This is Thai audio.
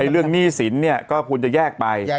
เรื่องหนี้สินเนี่ยก็ควรจะแยกไป